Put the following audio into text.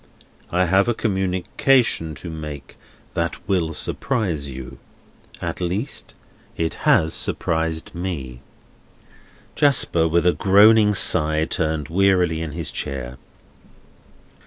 I have a communication to make that will surprise you. At least, it has surprised me." Jasper, with a groaning sigh, turned wearily in his chair.